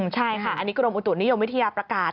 ใช่ค่ะอันนี้กรมอุตุนิยมวิทยาประกาศ